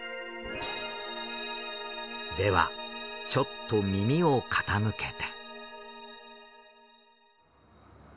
ではちょっと耳を傾けて。